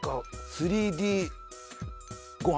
３Ｄご飯？